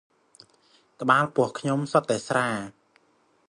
ក្បាលពោះខ្ញុំសុទ្ឌតែស្រា